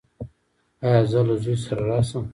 ایا زه له زوی سره راشم؟